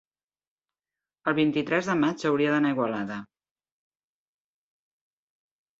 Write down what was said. el vint-i-tres de maig hauria d'anar a Igualada.